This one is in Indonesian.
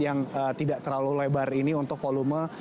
yang tidak terlalu lebar ini untuk volume